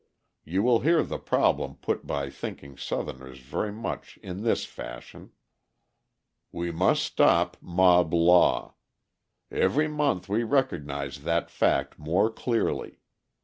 You will hear the problem put by thinking Southerners very much in this fashion: "We must stop mob law; every month we recognise that fact more clearly.